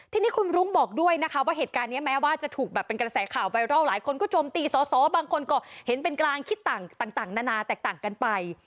ทีนี้คุณรุ้งบอกด้วยนะคะว่าเหตุการณ์นี้แม้ว่าจะถูกแบบเป็นกระแสข่าวไวรัลหลายคนก็โจมตีสอสอบางคนก็เห็นเป็นกลางคิดต่างนานาแตกต่างกันไป